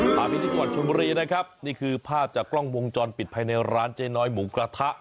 พาไปที่จังหวัดชนบุรีนะครับนี่คือภาพจากกล้องวงจรปิดภายในร้านเจ๊น้อยหมูกระทะ